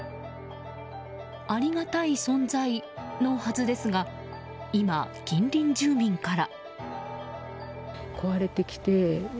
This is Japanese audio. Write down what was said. ありがたい存在のはずですが今、近隣住民から。